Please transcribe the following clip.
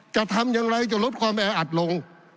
จะทำอย่างไรจะลดความแออัดลง